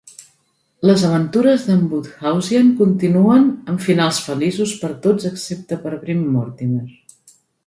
Les aventures de"n Wodehousian continuen amb finals feliços per a tots excepte per Bream Mortimer.